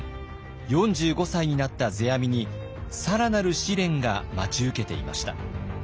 ４５歳になった世阿弥に更なる試練が待ち受けていました。